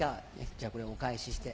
じゃあこれお返しして。